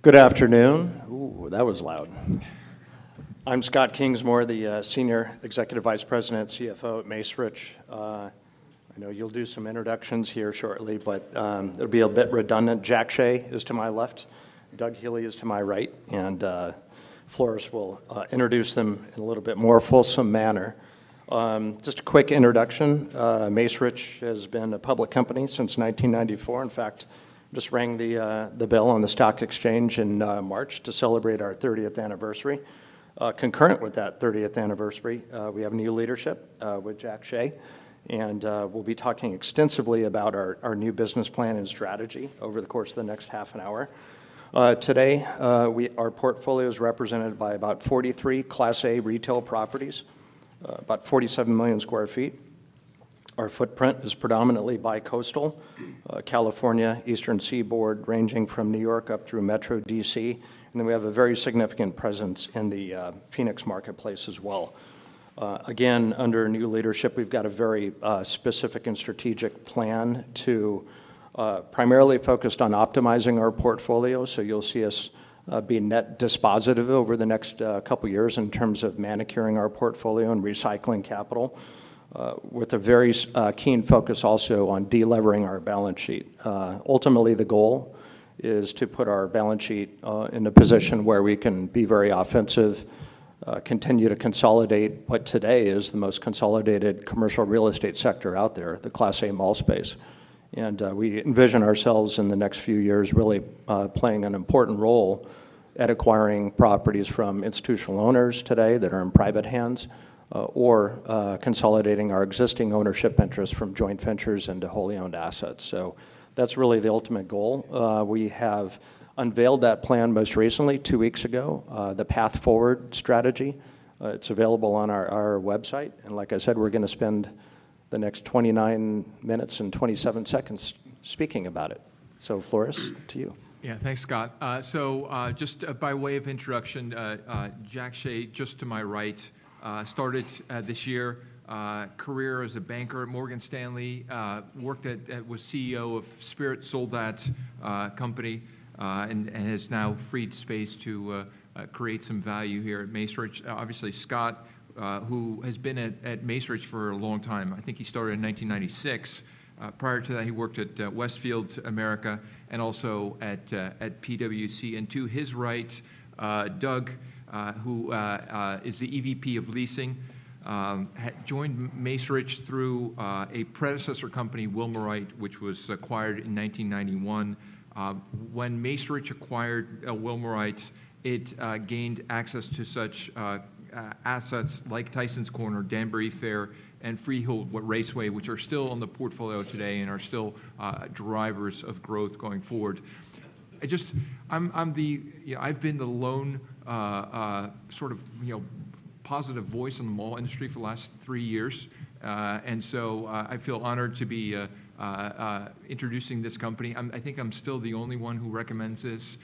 Good afternoon. Ooh, that was loud. I'm Scott Kingsmore, the Senior Executive Vice President, CFO at Macerich. I know you'll do some introductions here shortly, but it'll be a bit redundant. Jackson Hsieh is to my left, Doug Healey is to my right, and Floris will introduce them in a little bit more fulsome manner. Just a quick introduction, Macerich has been a public company since 1994. In fact, just rang the bell on the stock exchange in March to celebrate our thirtieth anniversary. Concurrent with that thirtieth anniversary, we have new leadership with Jackson Hsieh, and we'll be talking extensively about our new business plan and strategy over the course of the next half an hour. Today, our portfolio is represented by about 43 Class A retail properties, about 47 million sq ft. Our footprint is predominantly bicoastal, California, Eastern Seaboard, ranging from New York up through Metro DC, and then we have a very significant presence in the Phoenix marketplace as well. Again, under new leadership, we've got a very specific and strategic plan to primarily focused on optimizing our portfolio, so you'll see us being net dispositive over the next couple of years in terms of manicuring our portfolio and recycling capital, with a very keen focus also on de-levering our balance sheet. Ultimately, the goal is to put our balance sheet in a position where we can be very offensive, continue to consolidate what today is the most consolidated commercial real estate sector out there, the Class A mall space. And we envision ourselves in the next few years really playing an important role at acquiring properties from institutional owners today that are in private hands, or consolidating our existing ownership interests from joint ventures into wholly owned assets. So that's really the ultimate goal. We have unveiled that plan most recently, two weeks ago, the Path Forward strategy. It's available on our website, and like I said, we're gonna spend the next 29 minutes and 27 seconds speaking about it. So, Floris, to you. Yeah. Thanks, Scott. So, just by way of introduction, Jackson Hsieh, just to my right, started this year. Career as a banker at Morgan Stanley, worked at -- was CEO of Spirit, sold that company, and has now freed space to create some value here at Macerich. Obviously, Scott, who has been at Macerich for a long time, I think he started in 1996. Prior to that, he worked at Westfield America and also at PwC. To his right, Doug Healey, who is the EVP of Leasing, joined Macerich through a predecessor company, Wilmorite, which was acquired in 1991. When Macerich acquired Wilmorite, it gained access to such assets like Tysons Corner, Danbury Fair, and Freehold Raceway, which are still on the portfolio today and are still drivers of growth going forward. I've been the lone, sort of, you know, positive voice in the mall industry for the last three years. So, I feel honored to be introducing this company. I think I'm still the only one who recommends this.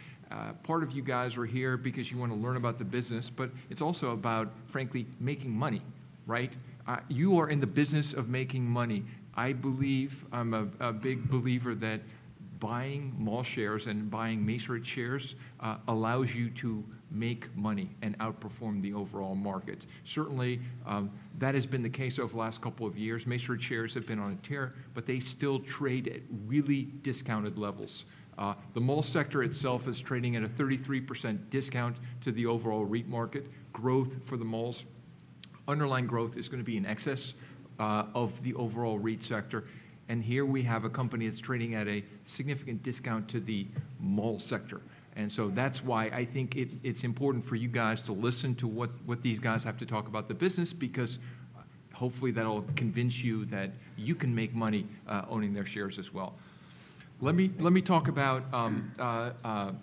Part of you guys are here because you want to learn about the business, but it's also about, frankly, making money, right? You are in the business of making money. I believe I'm a big believer that buying mall shares and buying Macerich shares allows you to make money and outperform the overall market. Certainly, that has been the case over the last couple of years. Macerich shares have been on a tear, but they still trade at really discounted levels. The mall sector itself is trading at a 33% discount to the overall REIT market. Growth for the malls, underlying growth is going to be in excess of the overall REIT sector, and here we have a company that's trading at a significant discount to the mall sector. And so that's why I think it's important for you guys to listen to what these guys have to talk about the business, because hopefully that'll convince you that you can make money owning their shares as well. Let me talk about the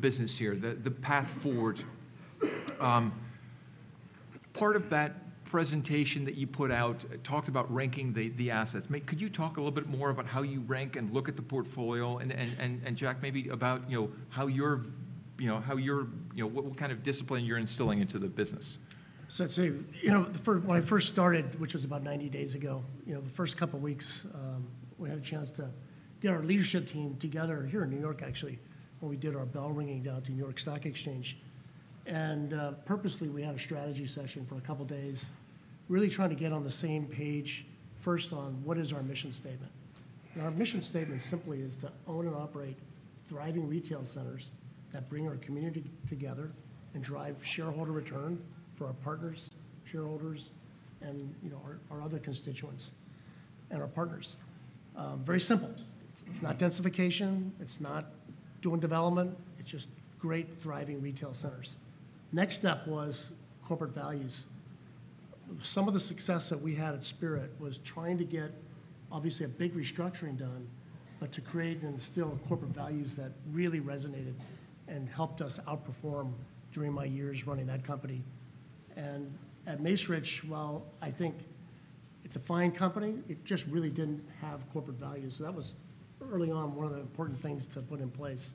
business here, the Path Forward. Part of that presentation that you put out talked about ranking the assets. Maybe could you talk a little bit more about how you rank and look at the portfolio? And, Jack, maybe about what kind of discipline you're instilling into the business. So I'd say, you know, the first, when I first started, which was about 90 days ago, you know, the first couple of weeks, we had a chance to get our leadership team together here in New York, actually, when we did our bell ringing down to New York Stock Exchange. And, purposely, we had a strategy session for a couple of days, really trying to get on the same page first on: What is our mission statement? And our mission statement simply is to own and operate thriving retail centers that bring our community together and drive shareholder return for our partners, shareholders, and, you know, our, our other constituents and our partners. Very simple. It's not densification, it's not doing development, it's just great, thriving retail centers. Next step was corporate values. Some of the success that we had at Spirit was trying to get, obviously, a big restructuring done, but to create and instill corporate values that really resonated and helped us outperform during my years running that company. At Macerich, while I think it's a fine company, it just really didn't have corporate values. That was early on, one of the important things to put in place.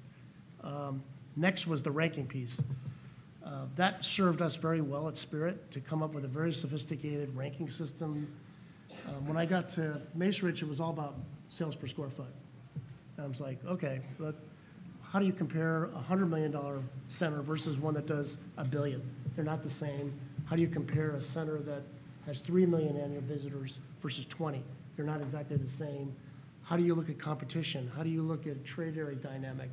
Next was the ranking piece. That served us very well at Spirit to come up with a very sophisticated ranking system. When I got to Macerich, it was all about sales per square foot. I was like: Okay, but how do you compare a $100 million center versus one that does a $1 billion? They're not the same. How do you compare a center that has 3 million annual visitors versus 20? They're not exactly the same. How do you look at competition? How do you look at trade area dynamic?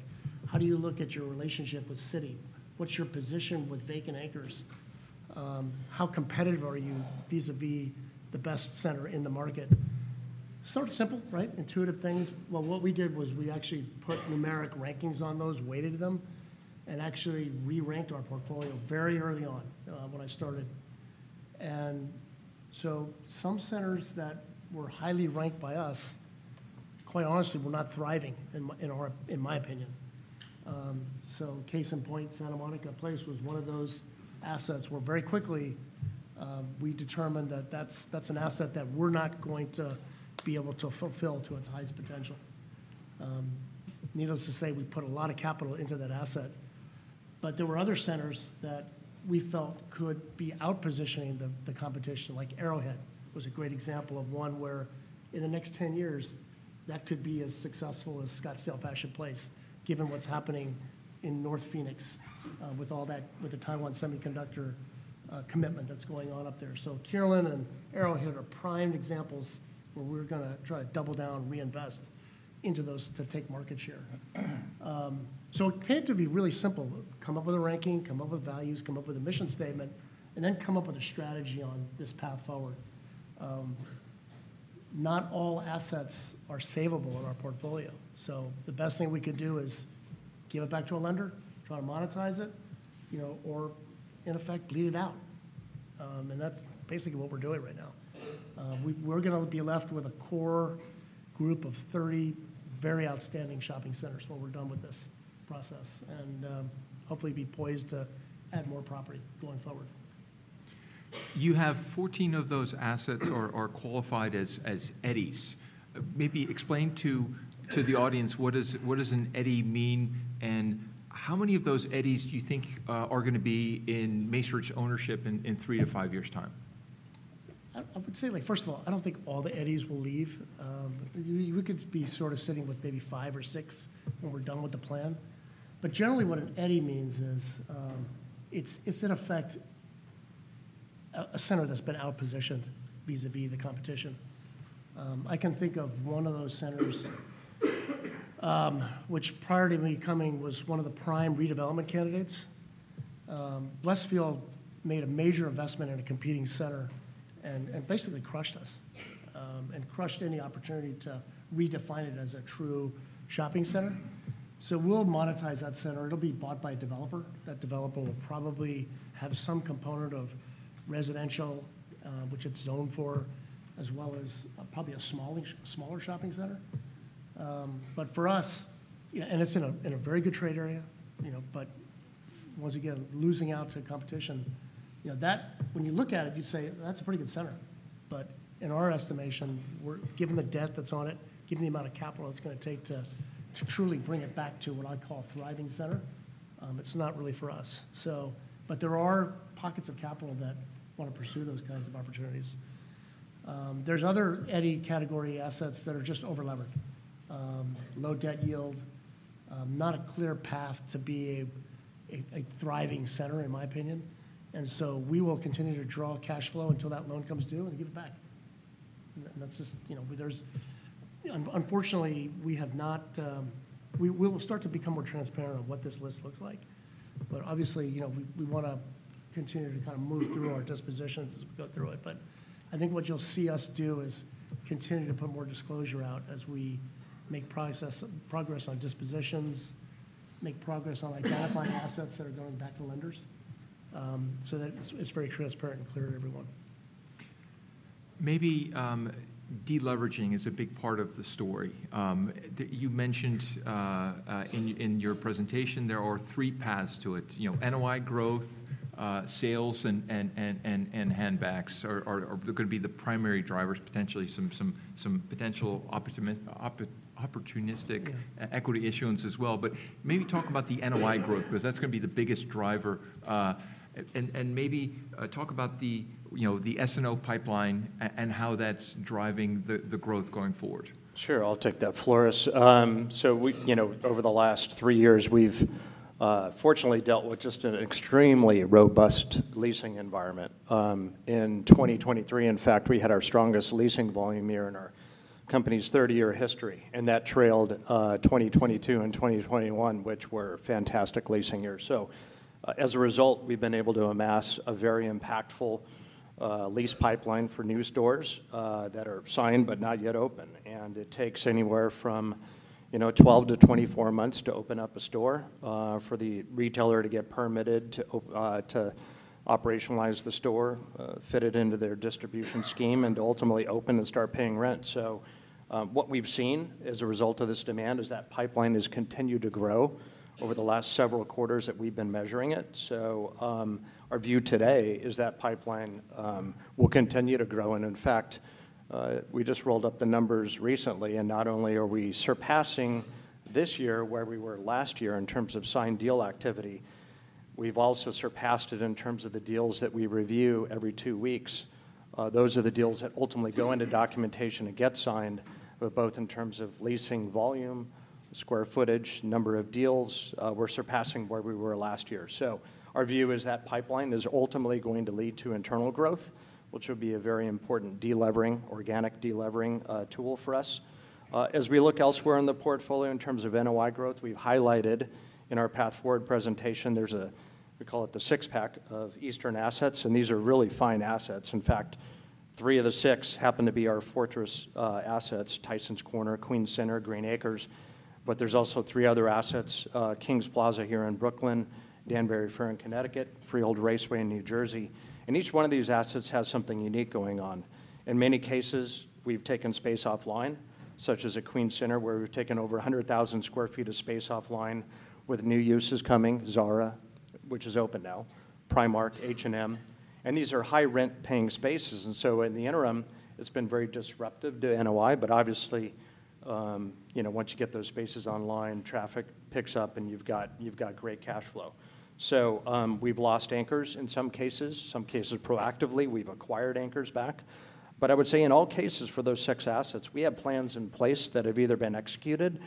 How do you look at your relationship with Citi? What's your position with vacant anchors? How competitive are you vis-à-vis the best center in the market? Sort of simple, right? Intuitive things. Well, what we did was we actually put numeric rankings on those, weighted them, and actually re-ranked our portfolio very early on, when I started. Some centers that were highly ranked by us, quite honestly, were not thriving in my opinion. Case in point, Santa Monica Place was one of those assets where very quickly, we determined that that's an asset that we're not going to be able to fulfill to its highest potential. Needless to say, we put a lot of capital into that asset. But there were other centers that we felt could be out-positioning the competition, like Arrowhead was a great example of one where, in the next 10 years, that could be as successful as Scottsdale Fashion Place, given what's happening in North Phoenix, with the Taiwan Semiconductor commitment that's going on up there. So Kierland and Arrowhead are prime examples where we're gonna try to double down and reinvest into those to take market share. So it came to be really simple: come up with a ranking, come up with values, come up with a mission statement, and then come up with a strategy on this Path Forward. Not all assets are savable in our portfolio, so the best thing we could do is give it back to a lender, try to monetize it, you know, or in effect, bleed it out. And that's basically what we're doing right now. We're gonna be left with a core group of 30 very outstanding shopping centers when we're done with this process and, hopefully be poised to add more property going forward. You have 14 of those assets are qualified as Eddies. Maybe explain to the audience what an Eddie means, and how many of those Eddies do you think are gonna be in Macerich ownership in 3-5 years' time? I would say, like, first of all, I don't think all the Eddies will leave. We could be sort of sitting with maybe five or six when we're done with the plan. But generally, what an Eddie means is, it's in effect a center that's been out-positioned vis-à-vis the competition. I can think of one of those centers, which prior to me coming, was one of the prime redevelopment candidates. Westfield made a major investment in a competing center and basically crushed us and crushed any opportunity to redefine it as a true shopping center. So we'll monetize that center. It'll be bought by a developer. That developer will probably have some component of residential, which it's zoned for, as well as probably a smaller shopping center. But for us it's in a very good trade area, you know, but once again, losing out to competition. When you look at it, you'd say, "That's a pretty good center," but in our estimation, given the debt that's on it, given the amount of capital it's gonna take to truly bring it back to what I'd call a thriving center, it's not really for us. So, but there are pockets of capital that want to pursue those kinds of opportunities. There's other Eddie-category assets that are just over-levered. Low debt yield, not a clear path to be a thriving center, in my opinion, and so we will continue to draw cash flow until that loan comes due and give it back. And that's just, you know. There's unfortunately, we have not. We'll start to become more transparent on what this list looks like. But obviously, you know, we wanna continue to kind of move through our dispositions as we go through it. But I think what you'll see us do is continue to put more disclosure out as we make progress on dispositions, make progress on identifying assets that are going back to lenders, so that it's very transparent and clear to everyone. Maybe, deleveraging is a big part of the story. You mentioned, in your presentation, there are three paths to it. You know, NOI growth, sales, and hand backs are gonna be the primary drivers, potentially some potential opportunistic equity issuance as well. But maybe talk about the NOI growth, because that's gonna be the biggest driver. And maybe talk about the the SNO pipeline and how that's driving the, the growth going forward. Sure, I'll take that, Floris. So we, you know, over the last 3 years, we've fortunately dealt with just an extremely robust leasing environment. In 2023, in fact, we had our strongest leasing volume year in our company's 30-year history, and that trailed 2022 and 2021, which were fantastic leasing years. So, as a result, we've been able to amass a very impactful lease pipeline for new stores that are signed but not yet open, and it takes anywhere from, you know, 12-24 months to open up a store for the retailer to get permitted, to operationalize the store, fit it into their distribution scheme, and ultimately open and start paying rent. So, what we've seen as a result of this demand is that pipeline has continued to grow over the last several quarters that we've been measuring it. So, our view today is that pipeline will continue to grow. And in fact, we just rolled up the numbers recently, and not only are we surpassing this year where we were last year in terms of signed deal activity, we've also surpassed it in terms of the deals that we review every two weeks. Those are the deals that ultimately go into documentation and get signed, but both in terms of leasing volume, square footage, number of deals, we're surpassing where we were last year. So our view is that pipeline is ultimately going to lead to internal growth, which will be a very important de-levering, organic de-levering, tool for us. As we look elsewhere in the portfolio in terms of NOI growth, we've highlighted in our Path Forward presentation the six-pack of eastern assets, and these are really fine assets. In fact, three of the six happen to be our fortress assets: Tysons Corner, Queens Center, Green Acres. But there's also three other assets, Kings Plaza here in Brooklyn, Danbury Fair in Connecticut, Freehold Raceway in New Jersey, and each one of these assets has something unique going on. In many cases, we've taken space offline, such as at Queens Center, where we've taken over 100,000 sq ft of space offline, with new uses coming: Zara, which is open now; Primark, H&M. And these are high-rent-paying spaces, and so in the interim, it's been very disruptive to NOI. But obviously, you know, once you get those spaces online, traffic picks up, and you've got, you've got great cash flow. So, we've lost anchors in some cases. Some cases proactively, we've acquired anchors back. But I would say in all cases for those six assets, we have plans in place that have either been executed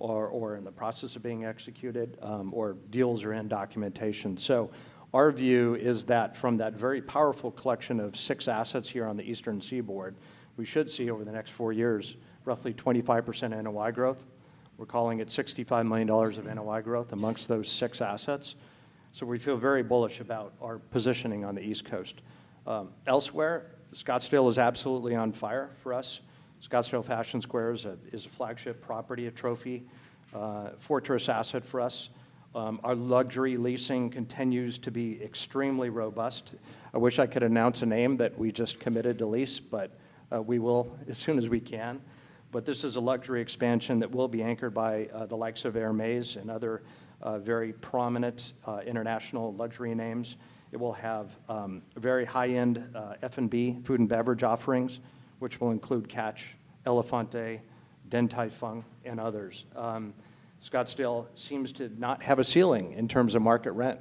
or in the process of being executed, or deals are in documentation. So our view is that from that very powerful collection of six assets here on the Eastern Seaboard, we should see over the next four years, roughly 25% NOI growth. We're calling it $65 million of NOI growth amongst those six assets, so we feel very bullish about our positioning on the East Coast. Elsewhere, Scottsdale is absolutely on fire for us. Scottsdale Fashion Square is a flagship property, a trophy fortress asset for us. Our luxury leasing continues to be extremely robust. I wish I could announce a name that we just committed to lease, but we will as soon as we can. But this is a luxury expansion that will be anchored by the likes of Hermès and other very prominent international luxury names. It will have a very high-end F&B, food and beverage, offerings, which will include Catch, Élephante, Din Tai Fung, and others. Scottsdale seems to not have a ceiling in terms of market rent.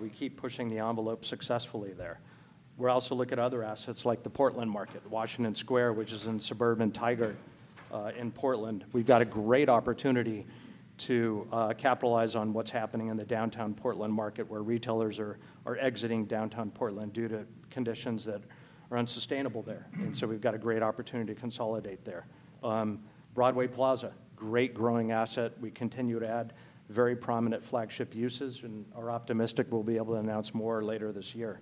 We keep pushing the envelope successfully there. We're also looking at other assets like the Portland market, Washington Square, which is in suburban Tigard in Portland. We've got a great opportunity to capitalize on what's happening in the downtown Portland market, where retailers are exiting downtown Portland due to conditions that are unsustainable there. So we've got a great opportunity to consolidate there. Broadway Plaza, great growing asset. We continue to add very prominent flagship uses and are optimistic we'll be able to announce more later this year.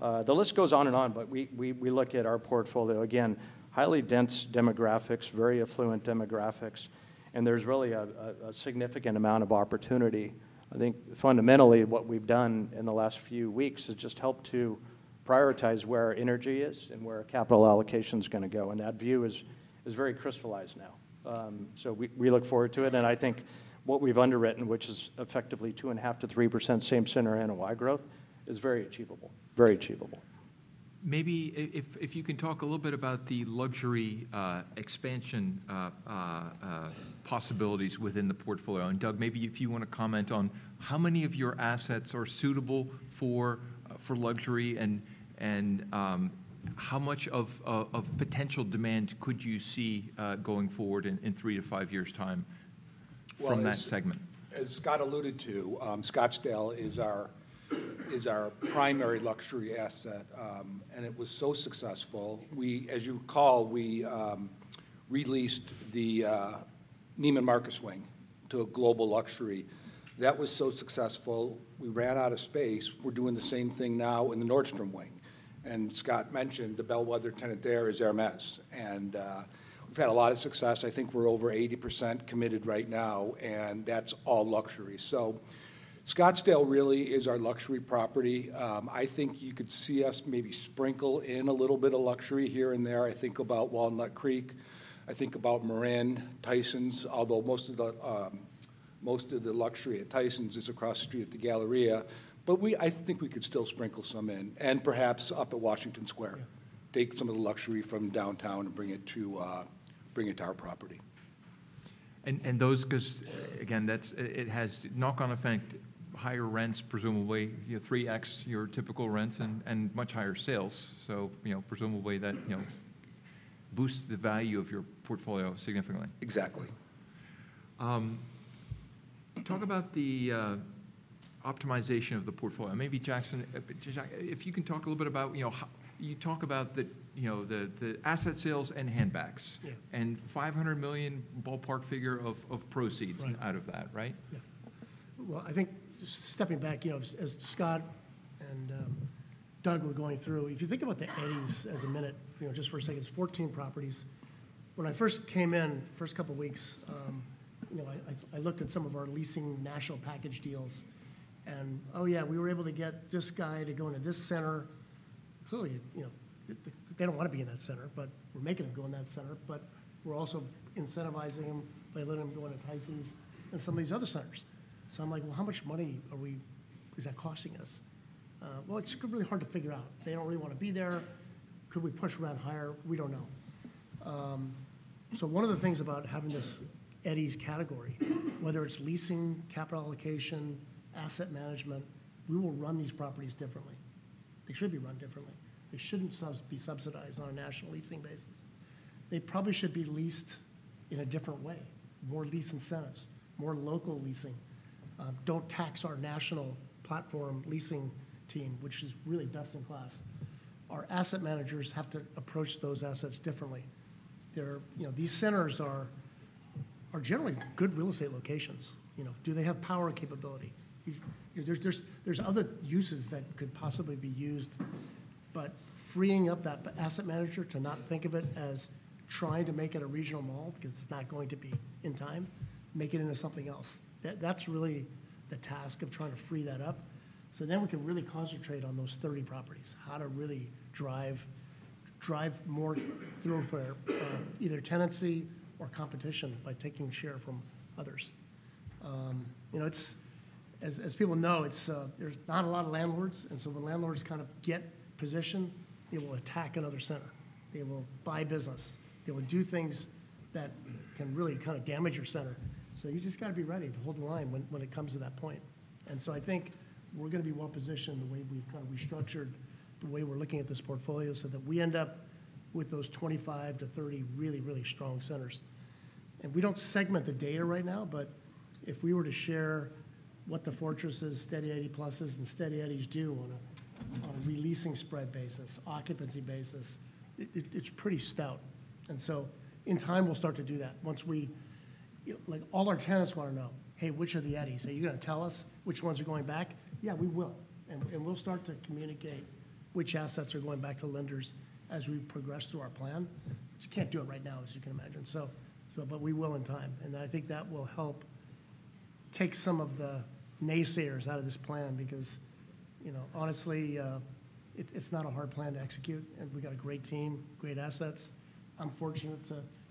The list goes on and on, but we look at our portfolio, again, highly dense demographics, very affluent demographics, and there's really a significant amount of opportunity. I think fundamentally, what we've done in the last few weeks has just helped to prioritize where our energy is and where our capital allocation's gonna go, and that view is very crystallized now. So we look forward to it, and I think what we've underwritten, which is effectively 2.5%-3% same-center NOI growth, is very achievable, very achievable. Maybe if you can talk a little bit about the luxury expansion possibilities within the portfolio, and, Doug, maybe if you wanna comment on how many of your assets are suitable for luxury, and how much of potential demand could you see going forward in three to five years' time from that segment? Well, as Scott alluded to, Scottsdale is our primary luxury asset. And it was so successful. As you recall, we re-leased the Neiman Marcus wing to a global luxury. That was so successful, we ran out of space. We're doing the same thing now in the Nordstrom wing, and Scott mentioned the bellwether tenant there is Hermès, and we've had a lot of success. I think we're over 80% committed right now, and that's all luxury. So Scottsdale really is our luxury property. I think you could see us maybe sprinkle in a little bit of luxury here and there. I think about Walnut Creek. I think about Marin, Tysons, although most of the luxury at Tysons is across the street at the Galleria. But I think we could still sprinkle some in, and perhaps up at Washington Square. Take some of the luxury from downtown and bring it to our property. And those, 'cause again, that's, it has knock-on effect, higher rents, presumably, you know, 3x your typical rents and much higher sales, so, you know, presumably, that, you know, boosts the value of your portfolio significantly. Exactly. Talk about the optimization of the portfolio. Maybe Jackson, if you can talk a little bit about, you know, you talk about the, you know, the, the asset sales and handbacks and $500 million ballpark figure of proceeds out of that, right? Yeah. Well, I think stepping back, you know, as, as Scott and Doug were going through, if you think about the AEs as a minute, you know, just for a second, it's 14 properties. When I first came in, first couple weeks, you know, I looked at some of our leasing national package deals, and we were able to get this guy to go into this center. Clearly, they don't wanna be in that center, but we're making them go in that center. But we're also incentivizing them by letting them go into Tysons and some of these other centers. So I'm like, "Well, how much money is that costing us?" Well, it's really hard to figure out. They don't really wanna be in that center. Could we push rent higher? We don't know. So one of the things about having this Eddie’s category, whether it’s leasing, capital allocation, asset management, we will run these properties differently. They should be run differently. They shouldn’t be subsidized on a national leasing basis. They probably should be leased in a different way, more lease incentives, more local leasing. Don’t tax our national platform leasing team, which is really best-in-class. Our asset managers have to approach those assets differently. These centers are, are generally good real estate locations. You know, do they have power capability? There’s other uses that could possibly be used, but freeing up that asset manager to not think of it as trying to make it a regional mall, because it’s not going to be in time, make it into something else. That's really the task of trying to free that up, so then we can really concentrate on those 30 properties, how to really drive, drive more through for, either tenancy or competition by taking share from others. As people know, it's, there's not a lot of landlords, and so when landlords kind of get positioned, they will attack another center. They will buy business. They will do things that can really kind of damage your center, so you just gotta be ready to hold the line when it comes to that point. And so I think we're gonna be well-positioned the way we've kind of restructured the way we're looking at this portfolio, so that we end up with those 25-30 really, really strong centers. We don't segment the data right now, but if we were to share what the fortresses, steady Eddie pluses, and steady Eddies do on a re-leasing spread basis, occupancy basis, it's pretty stout. And so in time, we'll start to do that once all our tenants wanna know, "Hey, which are the Eddies? Are you gonna tell us which ones are going back?" Yeah, we will. And we'll start to communicate which assets are going back to lenders as we progress through our plan. Just can't do it right now, as you can imagine. But we will in time, and I think that will help take some of the naysayers out of this plan because, you know, honestly, it's not a hard plan to execute, and we've got a great team, great assets. I'm fortunate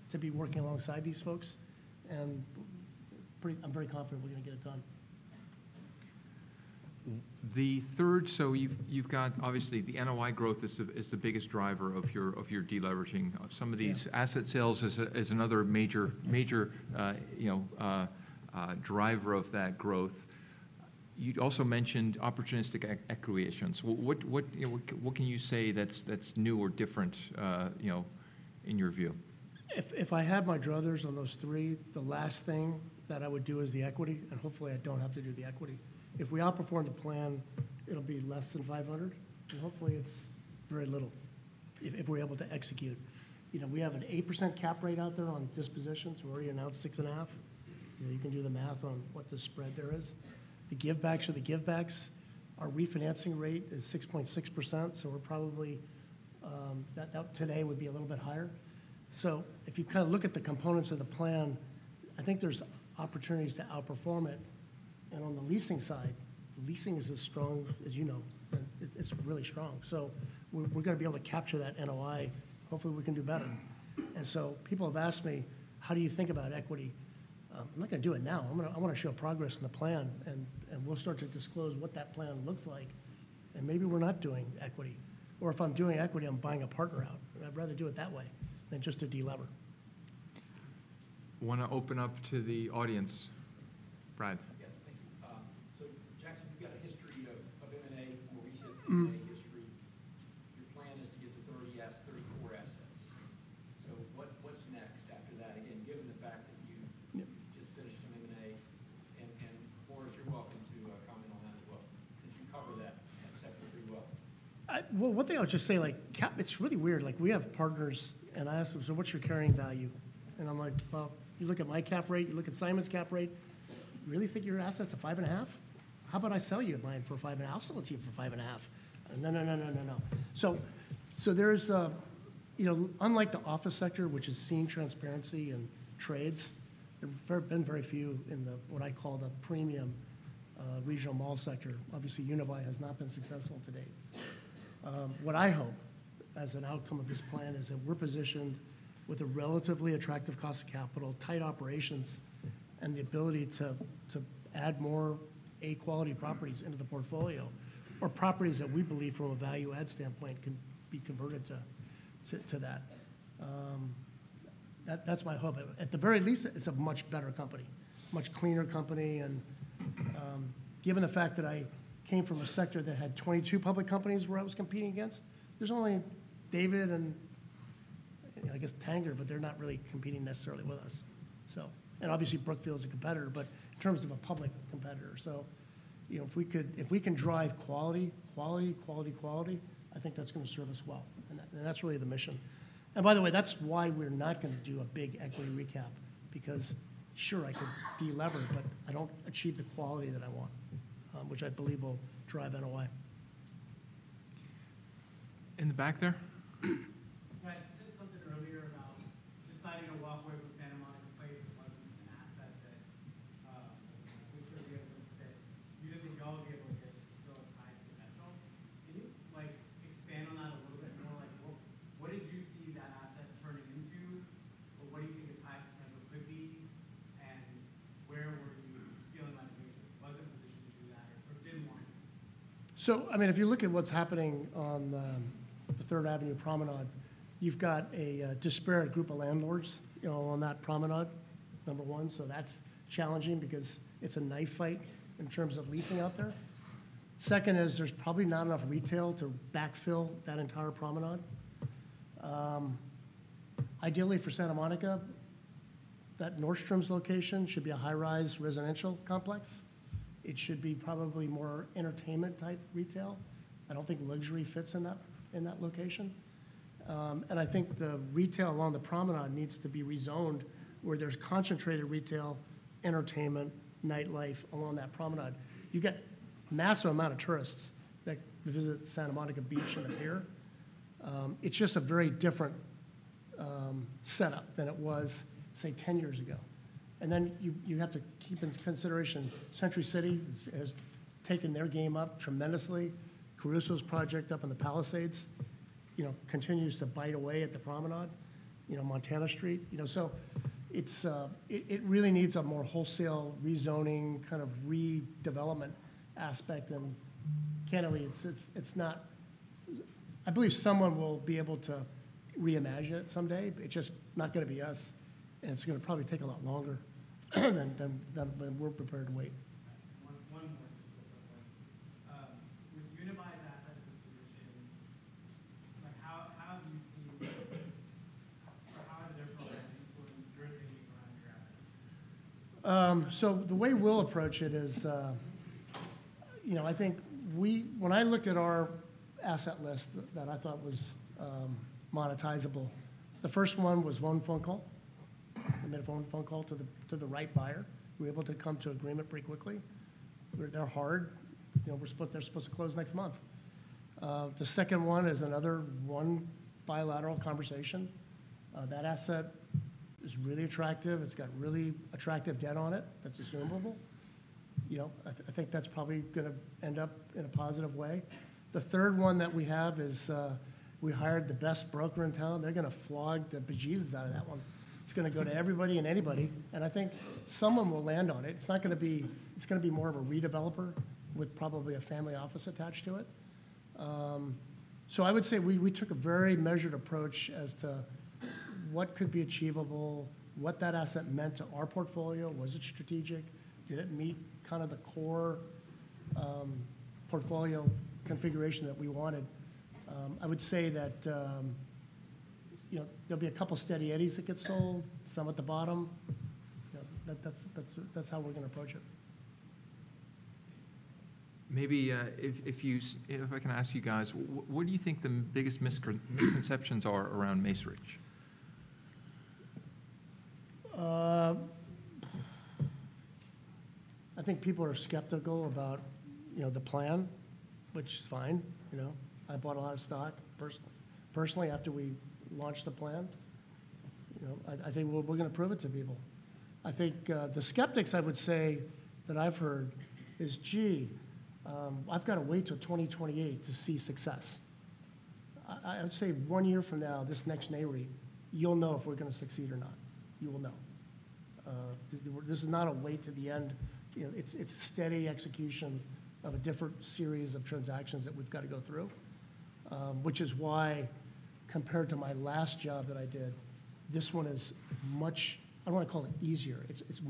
to be working alongside these folks, and I'm very confident we're gonna get it done. Obviously, the NOI growth is the biggest driver of your deleveraging. Some of these asset sales is another major driver of that growth. You'd also mentioned opportunistic acquisitions. What can you say that's new or different, you know, in your view? If I had my druthers on those three, the last thing that I would do is the equity, and hopefully I don't have to do the equity. If we outperform the plan, it'll be less than $500, and hopefully it's very little if we're able to execute. You know, we have an 8% cap rate out there on dispositions. We already announced 6.5. You can do the math on what the spread there is. The givebacks are the givebacks. Our refinancing rate is 6.6%, so we're probably that up today would be a little bit higher. So if you kind of look at the components of the plan, I think there's opportunities to outperform it. And on the leasing side, leasing is as strong as you know. It's really strong, so we're gonna be able to capture that NOI. Hopefully, we can do better. And so people have asked me: How do you think about equity? I'm not gonna do it now. I'm gonna. I wanna show progress in the plan, and we'll start to disclose what that plan looks like, and maybe we're not doing equity. Or if I'm doing equity, I'm buying a partner out, and I'd rather do it that way than just to de-lever. Wanna open up to the audience. Brad? Yeah, thank you. So Jackson, you've got a history of M&A, more recent M&A history. Your plan is to get to 30s, 34 assets. So what, what's next after that? Again, given the fact that you've just finished some M&A, and Floris, you're welcome to comment on that as well, since you covered that sector pretty well. Well, one thing I'll just say, like, cap, it's really weird. Like, we have partners, and I ask them, "So what's your carrying value?" And I'm like: "Well, you look at my cap rate, you look at Simon's cap rate, you really think your asset's a 5.5? How about I sell you mine for 5.5? I'll sell it to you for 5.5." Unlike the office sector, which is seeing transparency and trades, there have been very few in the, what I call the premium, regional mall sector. Obviously, Unibail has not been successful to date. What I hope as an outcome of this plan is that we're positioned with a relatively attractive cost of capital, tight operations, and the ability to add more A-quality properties into the portfolio, or properties that we believe from a value add standpoint can be converted to that. That's my hope. At the very least, it's a much better company, much cleaner company, and given the fact that I came from a sector that had 22 public companies where I was competing against, there's only David and, I guess, Tanger, but they're not really competing necessarily with us. Obviously, Brookfield is a competitor, but in terms of a public competitor. So, you know, if we can drive quality, quality, quality, quality, I think that's gonna serve us well, and that's really the mission. And by the way, that's why we're not gonna do a big equity recap because sure, I could de-lever, but I don't achieve the quality that I want, which I believe will drive NOI. In the back there? Right. You said something earlier about deciding to walk away from Santa Monica Place. It wasn't an asset that you didn't think y'all would be able to get close to its highest potential? Can you expand on that a little bit more? Like, what, what did you see that asset turning into, or what do you think its highest potential could be, and where were you feeling like Mace was in a position to do that or, or didn't want to? So, I mean, if you look at what's happening on the Third Street Promenade, you've got a disparate group of landlords, you know, on that promenade, number one. So that's challenging because it's a knife fight in terms of leasing out there. Second is there's probably not enough retail to backfill that entire promenade. Ideally, for Santa Monica, that Nordstrom's location should be a high-rise residential complex. It should be probably more entertainment-type retail. I don't think luxury fits in that, in that location. And I think the retail along the promenade needs to be rezoned, where there's concentrated retail, entertainment, nightlife along that promenade. You get massive amount of tourists that visit Santa Monica Beach and the pier. It's just a very different setup than it was, say, 10 years ago. And then you have to keep into consideration, Century City has taken their game up tremendously. Caruso's project up in the Palisades, you know, continues to bite away at the promenade, you know, Montana Avenue. You know, so it's. It really needs a more wholesale rezoning, kind of redevelopment aspect, and candidly, it's not-- I believe someone will be able to reimagine it someday. It's just not gonna be us, and it's gonna probably take a lot longer than we're prepared to wait. One more, just a quick one. With Unibail's asset disposition, like, how do you see or how is their portfolio drifting around your asset? So the way we'll approach it is, you know, I think when I looked at our asset list that I thought was monetizable, the first one was one phone call. I made one phone call to the right buyer. We were able to come to agreement pretty quickly. They're hard. You know, they're supposed to close next month. The second one is another one bilateral conversation. That asset is really attractive. It's got really attractive debt on it that's assumable. You know, I think that's probably gonna end up in a positive way. The third one that we have is, we hired the best broker in town. They're gonna flog the bejesus out of that one. It's gonna go to everybody and anybody, and I think someone will land on it. It's gonna be more of a redeveloper with probably a family office attached to it. So I would say we took a very measured approach as to what could be achievable, what that asset meant to our portfolio. Was it strategic? Did it meet kind of the core portfolio configuration that we wanted? I would say that, you know, there'll be a couple Steady Eddies that get sold, some at the bottom. Yeah, that's how we're gonna approach it. Maybe, if I can ask you guys, what do you think the biggest misconceptions are around Macerich? I think people are skeptical about, you know, the plan, which is fine. You know, I bought a lot of stock personally after we launched the plan. You know, I think we're gonna prove it to people. I think the skeptics, I would say, that I've heard is, "Gee, I've got to wait till 2028 to see success." I'd say one year from now, this next NAREIT, you'll know if we're gonna succeed or not. You will know. This is not a wait to the end. You know, it's steady execution of a different series of transactions that we've got to go through, which is why, compared to my last job that I did, I don't want to call it easier. It's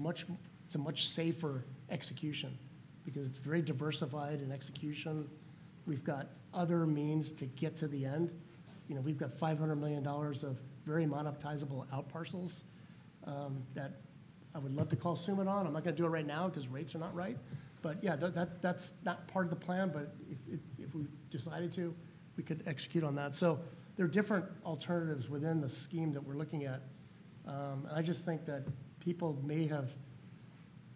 a much safer execution because it's very diversified in execution. We've got other means to get to the end. You know, we've got $500 million of very monetizable outparcels that I would love to call Sumit on. I'm not gonna do it right now because rates are not right. But yeah, that's not part of the plan, but if we decided to, we could execute on that. So there are different alternatives within the scheme that we're looking at. And I just think that people may have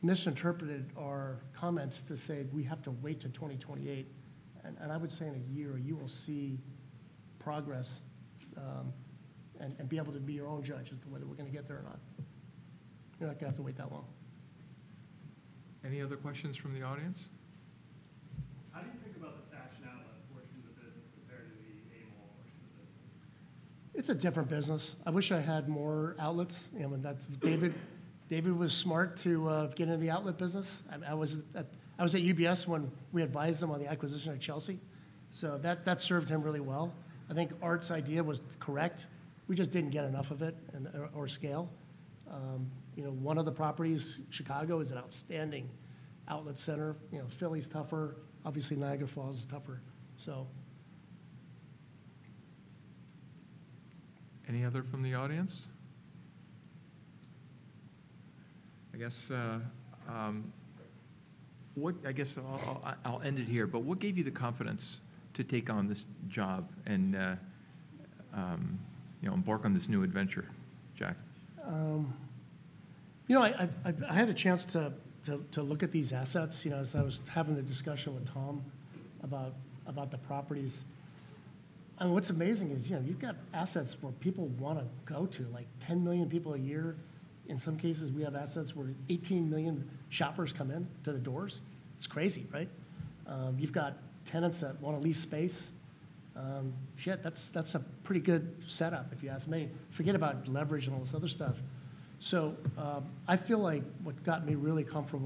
misinterpreted our comments to say we have to wait till 2028, and I would say in a year, you will see progress, and be able to be your own judge as to whether we're gonna get there or not. You're not gonna have to wait that long. Any other questions from the audience? How do you think about the fashion outlet portion of the business compared to the A mall portion of the business? It's a different business. I wish I had more outlets, you know, and David was smart to get in the outlet business. I was at UBS when we advised him on the acquisition of Chelsea, so that served him really well. I think Art's idea was correct. We just didn't get enough of it and or scale. You know, one of the properties, Chicago, is an outstanding outlet center. You know, Philly's tougher. Obviously, Niagara Falls is tougher, so. Any other from the audience? I'll end it here, but what gave you the confidence to take on this job and, you know, embark on this new adventure, Jack? You know, I had a chance to look at these assets, you know, as I was having the discussion with Tom about the properties, and what's amazing is, you know, you've got assets where people wanna go to, like, 10 million people a year. In some cases, we have assets where 18 million shoppers come in to the doors. It's crazy, right? You've got tenants that want to lease space. Shit, that's a pretty good setup if you ask me. Forget about leverage and all this other stuff. So, I feel like what got me really comfortable-